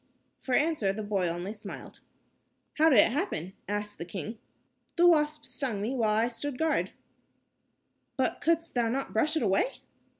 For answer, the boy only smiled. "How did it happen?" asked the king. "The wasp stung me while I stood guard." "But couldst thou not brush it away?"